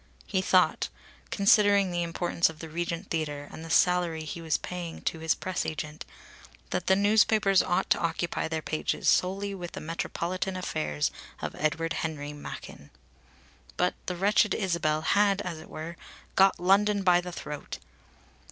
He thought, considering the importance of the Regent Theatre and the salary he was paying to his press agent, that the newspapers ought to occupy their pages solely with the metropolitan affairs of Edward Henry Machin. But the wretched Isabel had, as it were, got London by the throat.